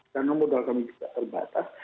karena modal kami juga terbatas